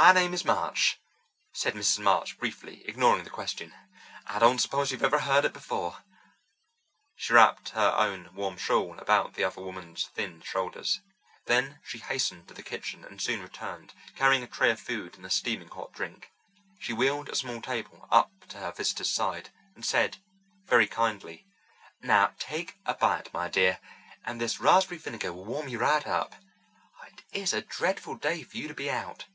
"My name is March," said Mrs. March briefly, ignoring the question. "I don't suppose you ever heard it before." She wrapped her own warm shawl about the other woman's thin shoulders. Then she hastened to the kitchen and soon returned, carrying a tray of food and a steaming hot drink. She wheeled a small table up to her visitor's side and said, very kindly, "Now, take a bite, my dear, and this raspberry vinegar will warm you right up. It is a dreadful day for you to be out.